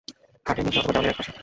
খাটের নিচে, অথবা দেয়ালের এক পাশে।